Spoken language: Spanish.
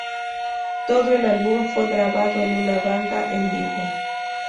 Todo el álbum fue grabado con una banda en vivo.